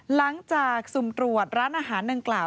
หลังจากสูมตรวจร้านอาหารนึงกล่าว